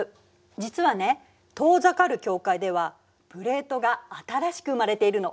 実はね遠ざかる境界ではプレートが新しく生まれているの。